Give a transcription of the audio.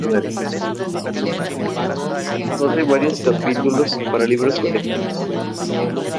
Es autor de varios capítulos para libros colectivos.